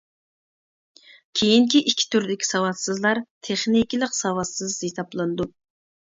كېيىنكى ئىككى تۈردىكى ساۋاتسىزلار «تېخنىكىلىق ساۋاتسىز» ھېسابلىنىدۇ.